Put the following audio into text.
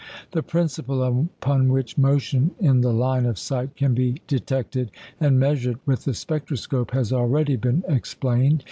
The principle upon which "motion in the line of sight" can be detected and measured with the spectroscope has already been explained.